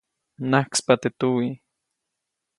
Mnajkspa teʼ tuwiʼ.